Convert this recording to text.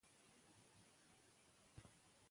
که خاوند بداخلاقه وي، ښځه حق لري اصلاح وکړي.